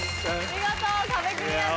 見事壁クリアです。